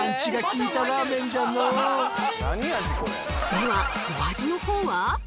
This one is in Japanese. ではお味のほうは？